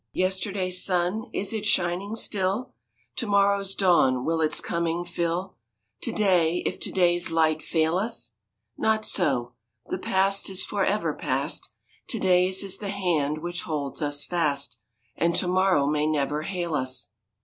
Yesterday's sun: is it shining still? To morrow's dawn: will its coming fill To day, if to day's light fail us? Not so. The past is forever past; To day's is the hand which holds us fast, And to morrow may never hail us.